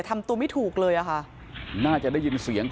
ทำตัวไม่ถูกเลยอะค่ะน่าจะได้ยินเสียง